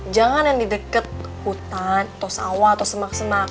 jangan yang di dekat hutan atau sawah atau semak semak